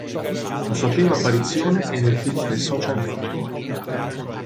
La sua prima apparizione è nel film The Social Network.